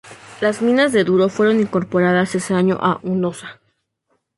Las minas de Duro fueron incorporadas ese año a Hunosa.